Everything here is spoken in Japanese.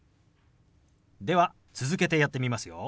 では続けてやってみますよ。